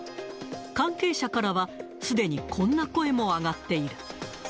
関係者からは、すでにこんな声も上がっている。